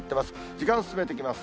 時間進めていきます。